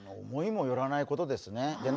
思いもよらないことですね。